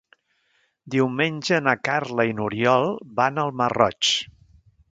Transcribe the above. Diumenge na Carla i n'Oriol van al Masroig.